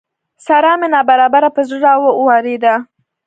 سارا مې ناببره پر زړه را واورېده.